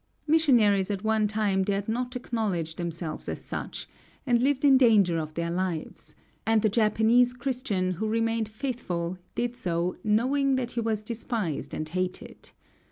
Missionaries at one time dared not acknowledge themselves as such, and lived in danger of their lives; and the Japanese Christian who remained faithful did so knowing that he was despised and hated.